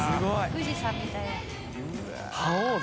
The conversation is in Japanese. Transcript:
富士山みたいだ。